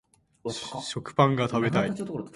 食パンが食べたい